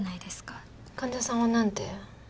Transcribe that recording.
患者さんはなんて？